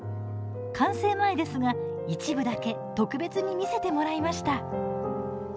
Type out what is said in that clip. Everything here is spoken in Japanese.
完成前ですが、一部だけ特別に見せてもらいました。